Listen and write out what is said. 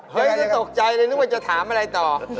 ยังตกใจเลยนึกว่าจะถามอะไรต่อ